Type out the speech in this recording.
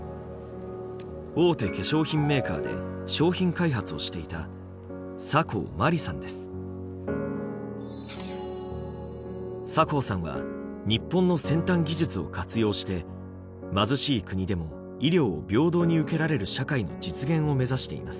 大手化粧品メーカーで商品開発をしていた酒匂さんは日本の先端技術を活用して貧しい国でも医療を平等に受けられる社会の実現を目指しています。